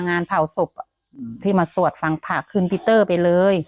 งานเผ่าศพอืมที่มาสวดฝั่งผักคืนปีเตอร์ไปเลย